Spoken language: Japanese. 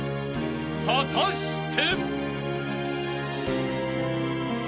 果たして］